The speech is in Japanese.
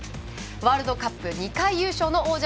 ワールドカップ２回優勝の王者